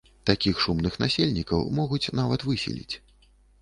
Такіх шумных насельнікаў могуць нават выселіць.